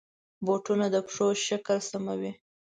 بوټونه د پښو شکل سموي.